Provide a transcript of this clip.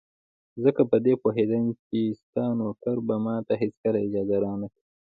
ځکه په دې پوهېدم چې ستا نوکر به ماته هېڅکله اجازه را نه کړي.